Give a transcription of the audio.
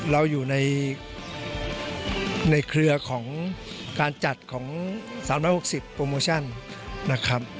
เราอยู่ในเครือของการจัดของ๓๖๐โปรโมชั่นนะครับ